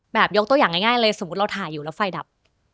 ยกตัวอย่างง่ายเลยสมมุติเราถ่ายอยู่แล้วไฟดับ